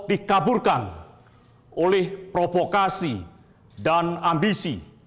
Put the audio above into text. dikaburkan oleh provokasi dan ambisi